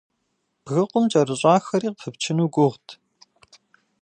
Бгыкъум кӀэрыщӀахэри къыпыпчыну гугъут.